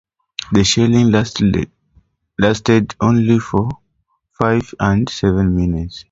The shelling lasted only for five to seven minutes.